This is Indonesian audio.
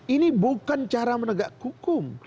ini bukan cara menegak hukum